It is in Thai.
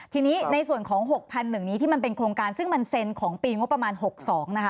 ทีนี้ในส่วนของ๖๑๐๐นี้ที่มันเป็นโครงการซึ่งมันเซ็นของปีงบประมาณ๖๒นะคะ